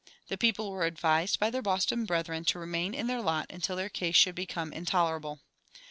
The people were advised by their Boston brethren to remain in their lot until their case should become intolerable.